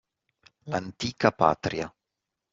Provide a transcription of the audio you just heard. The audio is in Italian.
L’antica patria